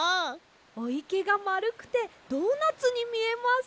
おいけがまるくてドーナツにみえます。